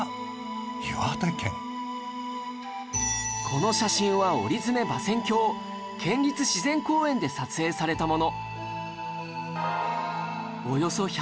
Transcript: この写真は折爪・馬仙峡県立自然公園で撮影されたもの